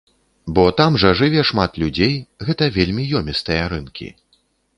Бо там жа жыве шмат людзей, гэта вельмі ёмістыя рынкі.